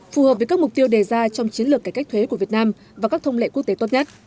phù hợp với các mục tiêu đề ra trong chiến lược cải cách thuế của việt nam và các thông lệ quốc tế tốt nhất